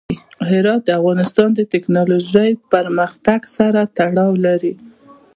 هرات د افغانستان د تکنالوژۍ پرمختګ سره تړاو لري.